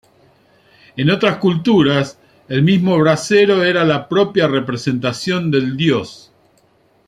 En otras culturas, el mismo brasero era la propia representación del dios.